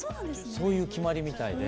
そういう決まりみたいで。